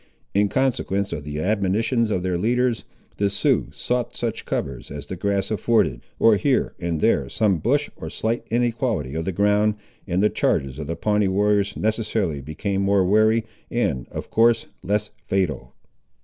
In consequence of the admonitions of their leaders, the Siouxes sought such covers as the grass afforded, or here and there some bush or slight inequality of the ground, and the charges of the Pawnee warriors necessarily became more wary, and of course less fatal.